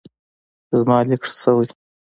زما لیک ښه شوی.